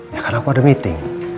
ya kan aku ada meeting